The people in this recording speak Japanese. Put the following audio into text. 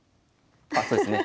あそうですね。